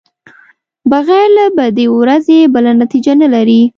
بغیر له بدې ورځې بله نتېجه نلري.